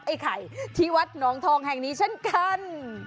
ไอ้ไข่ที่วัดหนองทองแห่งนี้เช่นกัน